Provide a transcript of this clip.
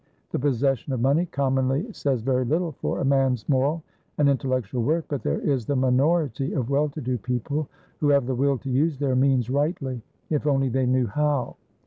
The possession of money commonly says very little for a man's moral and intellectual worth, but there is the minority of well to do people who have the will to use their means rightly, if only they knew how.